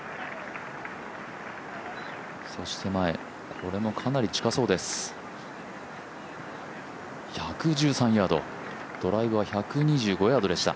これもかなり近そうです、１１３ヤード、ドライバーは１２５ヤードでした。